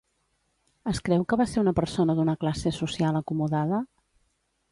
Es creu que va ser una persona d'una classe social acomodada?